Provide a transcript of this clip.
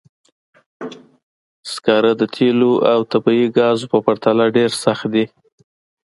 سکاره د تېلو او طبیعي ګازو په پرتله ډېر سخت دي.